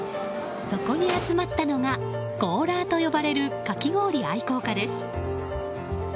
そこに集まったのがゴーラーと呼ばれるかき氷愛好家です。